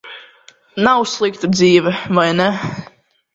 Nav slikta dzīve, vai ne?